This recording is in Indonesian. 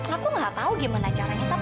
aku gak tau gimana caranya